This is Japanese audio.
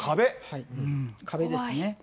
壁ですね。